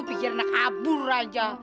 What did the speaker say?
pikir anak kabur aja